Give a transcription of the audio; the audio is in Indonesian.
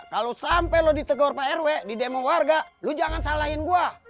kalau sampai lo ditegur pak rw di demo warga lo jangan salahin gue